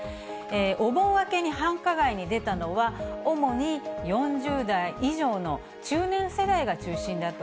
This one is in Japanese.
お盆明けに繁華街に出たのは、主に４０代以上の中年世代が中心だと。